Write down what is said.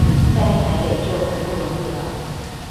在台北就很不容易了